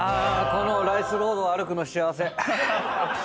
このライスロードを歩くの幸せ。